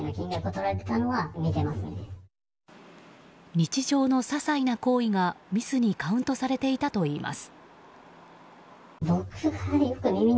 日常のささいな行為が、ミスにカウントされていたといいます。